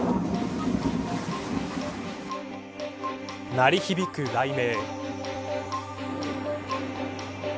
鳴り響く雷鳴。